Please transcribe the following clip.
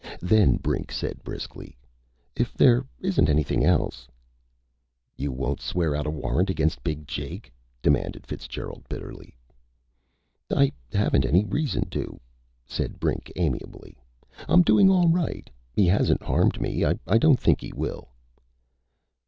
Then Brink said briskly: "If there isn't anything else " "You won't swear out a warrant against Big Jake?" demanded Fitzgerald bitterly. "I haven't any reason to," said Brink amiably. "I'm doing all right. He hasn't harmed me. I don't think he will."